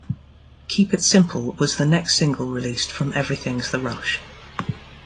"Keep It Simple" was the next single released from "Everything's the Rush".